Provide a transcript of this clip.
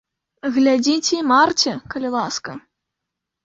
Глядзіце і марце, калі ласка.